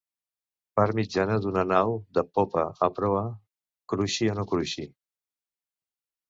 Part mitjana d'una nau de popa a proa, cruixi o no cruixi.